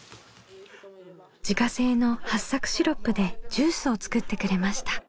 自家製のはっさくシロップでジュースを作ってくれました。